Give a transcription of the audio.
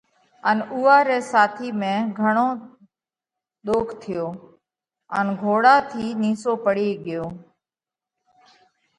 ان اُوئا رِي ساتِي ۾ گھڻو ۮوک ٿيو ان گھوڙا ٿِي نِيسو پڙي ڳيو